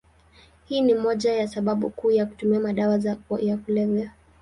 Hii ni moja ya sababu kuu ya kutumia madawa ya kulevya.